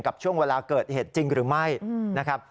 กับช่วงเวลาเกิดเหตุจริงหรือไม่นะครับ